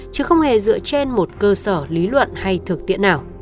chứ không hề dựa trên một cơ sở lý luận hay thực tiễn nào